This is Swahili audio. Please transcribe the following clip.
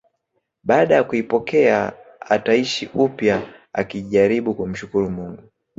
Baada ya kuipokea ataishi upya akijaribu kumshukuru Mungu